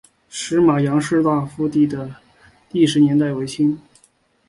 石码杨氏大夫第的历史年代为清。